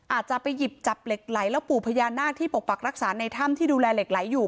อาจจะไปหยิบจับเหล็กไหลแล้วปู่พญานาคที่ปกปักรักษาในถ้ำที่ดูแลเหล็กไหลอยู่